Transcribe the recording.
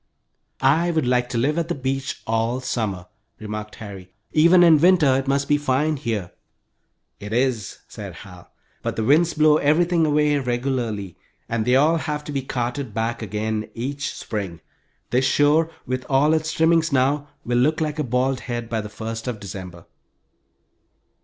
"I would like to live at the beach all summer," remarked Harry. "Even in winter it must be fine here." "It is," said Hal. "But the winds blow everything away regularly, and they all have to be carted back again each spring. This shore, with all its trimmings now, will look like a bald head by the first of December."